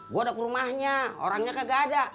gue ada ke rumahnya orangnya kagak ada